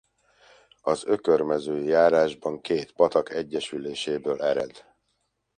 Az Ökörmezői járásban két patak egyesüléséből ered.